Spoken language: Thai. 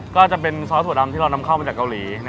ก็จะเป็นซอสถั่วดำที่เรานำเข้ามาจากเกาหลี